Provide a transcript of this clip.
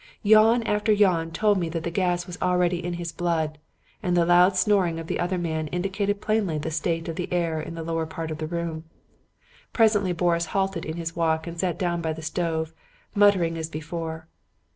Yawn after yawn told me that the gas was already in his blood; and the loud snoring of the other man indicated plainly the state of the air in the lower part of the room. Presently Boris halted in his walk and sat down by the stove, muttering as before.